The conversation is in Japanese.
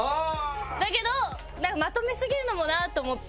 だけどまとめすぎるのもなと思って。